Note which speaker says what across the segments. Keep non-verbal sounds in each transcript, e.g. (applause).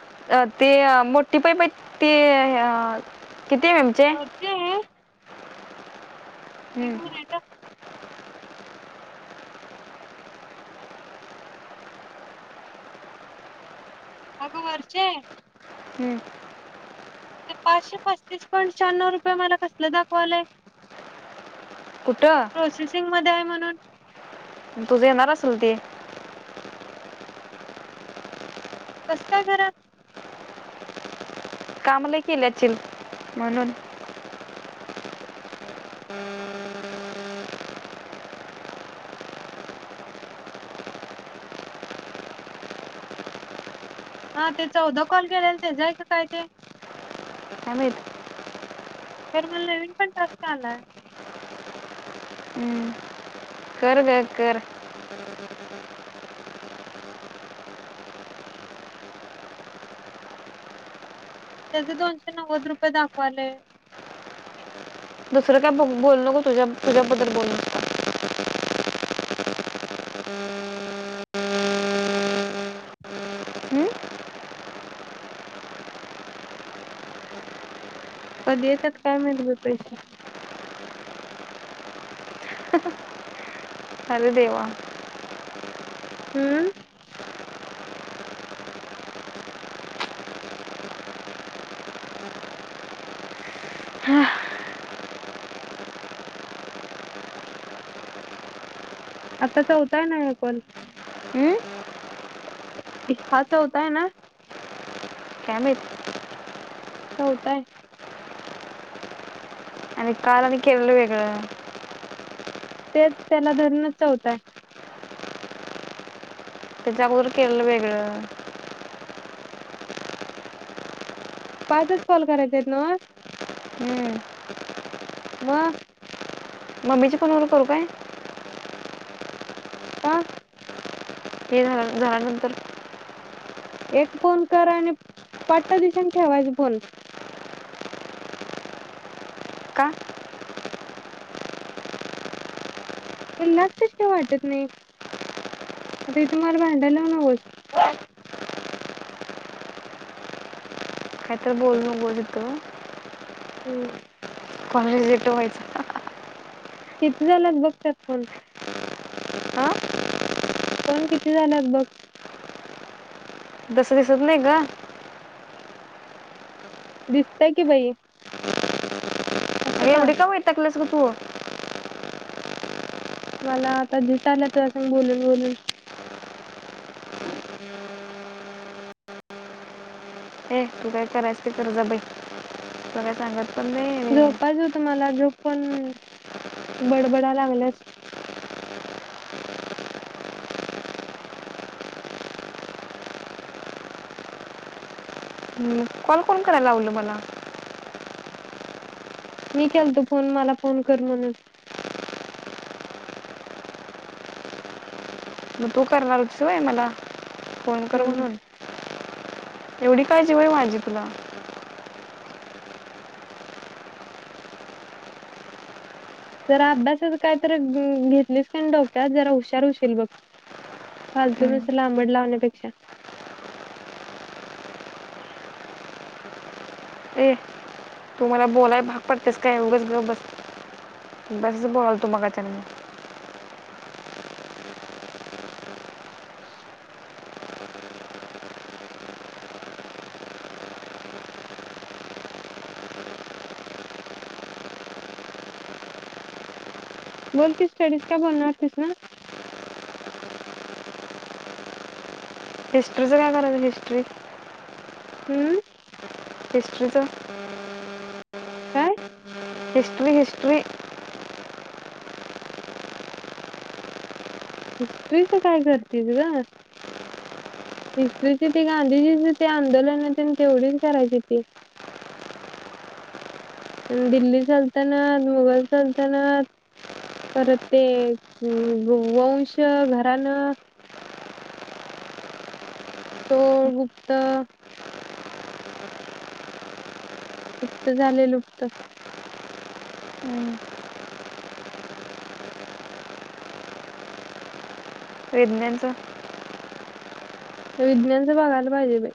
Speaker 1: (unintelligible)
Speaker 2: बच्चे. हे कोण आहेत. अगं वर्चे.
Speaker 1: हूं!
Speaker 2: पाशे पस्तीस पॉइंट श्याण्णव, रुपये मला कसले दाखवालय.
Speaker 1: कुठं
Speaker 2: प्रोसेसिंग मध्ये आहे म्हण. (inaudible)
Speaker 1: तुझे येणार असल ते.
Speaker 2: कस काय खर.
Speaker 1: कामलयी केली अछील म्हणून.
Speaker 2: (inaudible)
Speaker 1: (unintelligible)
Speaker 2: हा ते चौदा कॉल केलेल तेच, जाय का काय ते.
Speaker 1: काय माहित
Speaker 2: खर मला नवीन पण टास्क अलाय.
Speaker 1: हम्म. कर ग कर
Speaker 2: त्याचे दोनशे नव्वद रुपये दाखवाले
Speaker 1: दुसरं काय ब बोलू नको तुझ्या तुझ्याबद्दल बोल हम्म?
Speaker 2: कधी येतात काय माहित ग पैसे.
Speaker 1: अर देवा!
Speaker 2: हूं! आता चौथाय ना कॉल,
Speaker 1: हम्म?
Speaker 2: हा चौथाय ना.
Speaker 1: काय माहित
Speaker 2: चौथा आहे.
Speaker 1: आणि काल, आणि केलेलं वेगळं.
Speaker 2: तेच त्याला धरूणच चौथा आहे.
Speaker 1: त्याच्या अगोदर केललं वेगळं.
Speaker 2: पाचच कॉल करायच आहेत नव.
Speaker 1: हम्म.
Speaker 2: म!
Speaker 1: मम्मीच्या फोन वर करू काय.
Speaker 2: का!
Speaker 1: हे झा झाल्यानंतर.
Speaker 2: एक फोन कर आणि पट्टा दिशीन ठेवायच फोन.
Speaker 1: का
Speaker 2: तुलाच कशी काय वाटत नाही, आता इथे मला भांडाया लावू नकोस.
Speaker 1: काहीतर बोलु नकोस तु.
Speaker 2: हूं!
Speaker 1: कॉल रिजेक्ट व्हायचा.
Speaker 2: किती झालात बघत्यात फोन.
Speaker 1: हां
Speaker 2: फोन किती झाल्यात बघ.
Speaker 1: तस दिसत नाही ग.
Speaker 2: दिसतय की बाई.
Speaker 1: एवढी का वैतागल्यास ग तु
Speaker 2: मला आता झिट आली तुज्या सग बोलून बोलून
Speaker 1: तू काय करायच ते कर जा बाई तुला काय सांगत पण नाही
Speaker 2: झोपायचं होत मला झोप पण बडबडा लागल्यास
Speaker 1: कॉल कोण कराय लावलं माला
Speaker 2: मी केलतो फोन मला फोन कर म्हणून
Speaker 1: मग तू करणार होतीस होय मला फोन कर
Speaker 2: हम्म
Speaker 1: म्हणून एवढी काळजी होई माझी तुला
Speaker 2: जरा अभ्यासाच कायतरी घेतलीस का डोक्यात जरा हुशार होशील बघ फालतू
Speaker 1: हम्म.
Speaker 2: नुसती लांबड लावण्यापेक्षा
Speaker 1: ए तु मला बोलाय भाग पडतेस काय उगच गप्प बस उगचच बोलालतो मागास पसन मी
Speaker 2: बोल की स्टडीज काय बोलणार होतीस ना
Speaker 1: हिस्ट्रीचं काय करायच हिस्ट्री
Speaker 2: हम्म
Speaker 1: हिस्ट्रीच
Speaker 2: काय
Speaker 1: हिस्ट्री हिस्ट्री.
Speaker 2: हिस्ट्रीच काय करतेस ग. हिस्ट्रीची ते गांधीजीच ते आंदोलन तेन तेवढीच करायची होती, दिल्ली सल्तनत, मुघल सल्तनत, परत ते वंश घरानं. चोळ गुप्त. गुप्त झाले लुप्त.
Speaker 1: विज्ञानच
Speaker 2: विज्ञानच बघायला पाहिजे बाई.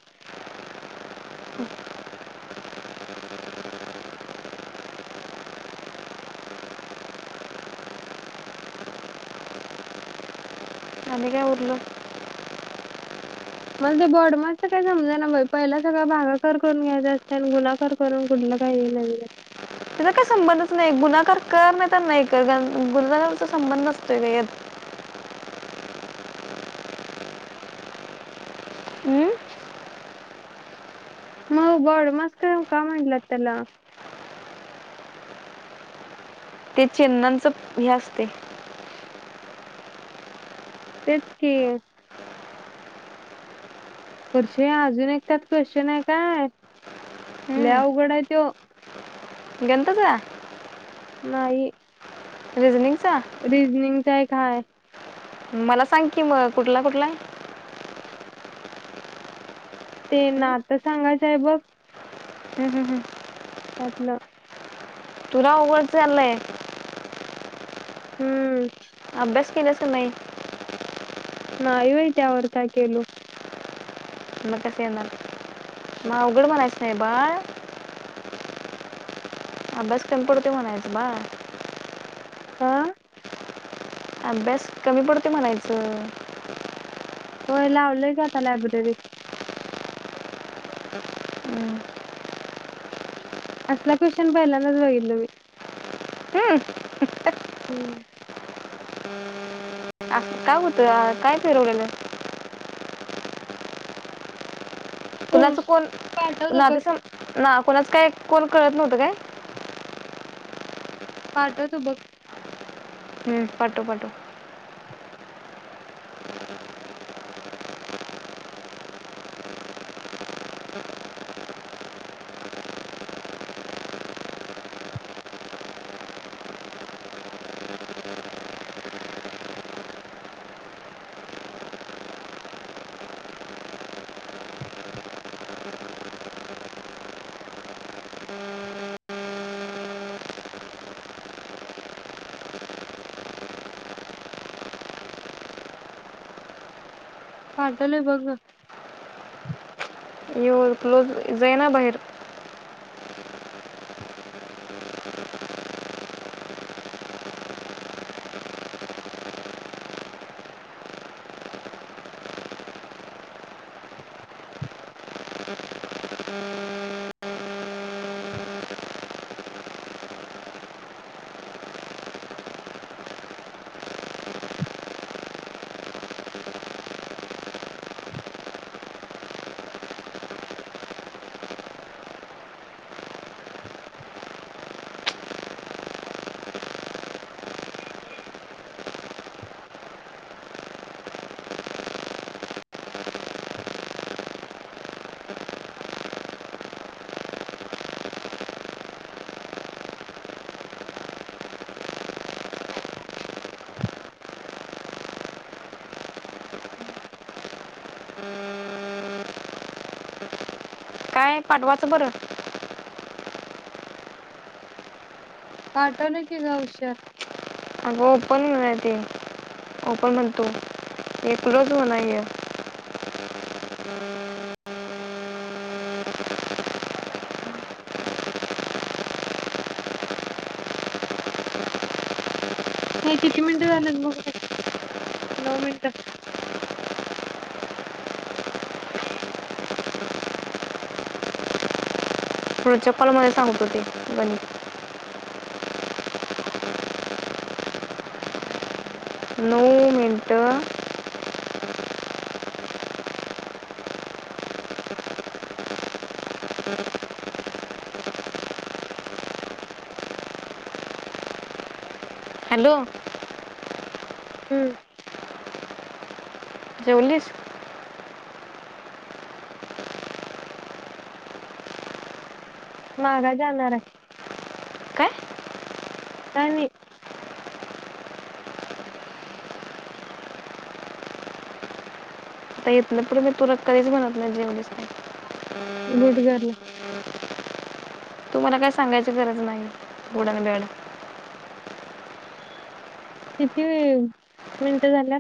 Speaker 1: आणि काय उरल.
Speaker 2: मला बॉडमास्क च काय समजाना बाई, पहिला सगळ भागाकार करून घ्यायचा असत, आणि गुन्हा कर करून कुठलं काही नवीनच.
Speaker 1: तिचा काही संबंधच नाही, गुन्हाकार कर नाही तर नाही. गुणाकारचा संबंध नसतोय ग यात. हम्म?
Speaker 2: म बॉडमास्क का म्हटलं त्याला.
Speaker 1: ते चिन्हाच हे असते.
Speaker 2: तेच कि. वर्षे अजून एक त्यात क्वेश्चन आहे. काय लय
Speaker 1: हम्म.
Speaker 2: अघड आहे तो.
Speaker 1: गणिताचा.
Speaker 2: नाही
Speaker 1: रिजनिंग
Speaker 2: रिजनिंगचा एक काय
Speaker 1: मला सांग की मग कुठला कुठला.
Speaker 2: ते ना
Speaker 1: हम्म?
Speaker 2: नात सांगायचंय बघ.
Speaker 1: हम्म हम् हम्
Speaker 2: त्यातल
Speaker 1: तुला अवघड चाललंय.
Speaker 2: हम्म
Speaker 1: अभ्यास केलास नाही
Speaker 2: नाही बाई त्यावर काय केलो.
Speaker 1: मग कस येणार, म अवघड म्हणायचं नाही बाळ. अभ्यास कमी पडतोय म्हणायचं बाळ.
Speaker 2: आ
Speaker 1: अभ्यास कमी पडतोय म्हणायचं.
Speaker 2: होय लावलय की आता लायब्ररी.
Speaker 1: हम्म.
Speaker 2: असला क्वेश्चन पहिल्यांदाच बघितलं मी.
Speaker 1: हम्म.
Speaker 2: हम्म
Speaker 1: काय बोलतोय हा काय फिरवलेलं.
Speaker 2: हम्म
Speaker 1: कुणाचं कोण
Speaker 2: पाठवतो
Speaker 1: तुला
Speaker 2: बघ
Speaker 1: आधी सा ना कोणाच काय कोल कळत नव्हत काय.
Speaker 2: पाठवतो बघ.
Speaker 1: हम्म पाठव पाठव.
Speaker 2: पाठवलोय बघ ग.
Speaker 1: ये क्लोज जाईना बाहेर.
Speaker 2: (inaudible) हम्
Speaker 1: काय पाठवाचं बरं.
Speaker 2: पाठवलोय कि ग उशर.
Speaker 1: अगं ओपन होना ते ओपन म्हणतो एक क्लोज होना हे.
Speaker 2: हम्म हम्म (inaudible) हे किती मिनिटं झालत बग बाई नऊ मिनिटं
Speaker 1: फूडच्या कॉलमध्ये सांगतो ते गणित नऊ मिनटं हॅलो
Speaker 2: हम्म
Speaker 1: जेवलिस
Speaker 2: मागाय जाणार आहे.
Speaker 1: काय
Speaker 2: काय नई
Speaker 1: आता हीतन फूड मी तुला कधीच म्हणत नाही जेवलीस काय,
Speaker 2: गुड गर्ल
Speaker 1: तु मला काही सांगायची गरज नाही गुड आणि बॅड
Speaker 2: किती वेळ मिनटं झाल्या